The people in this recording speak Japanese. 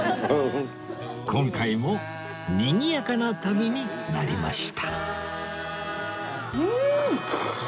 今回もにぎやかな旅になりました